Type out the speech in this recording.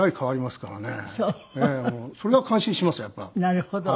なるほど。